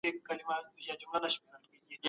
آيا تاسې د بې واکۍ احساس کوئ؟